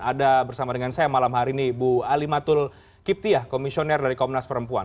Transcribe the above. ada bersama dengan saya malam hari ini bu alimatul kiptiah komisioner dari komnas perempuan